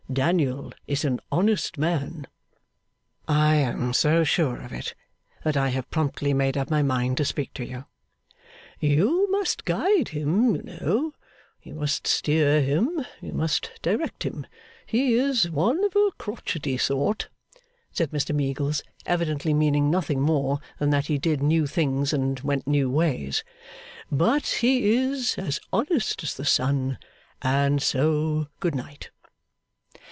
Daniel is an honest man.' 'I am so sure of it that I have promptly made up my mind to speak to you.' 'You must guide him, you know; you must steer him; you must direct him; he is one of a crotchety sort,' said Mr Meagles, evidently meaning nothing more than that he did new things and went new ways; 'but he is as honest as the sun, and so good night!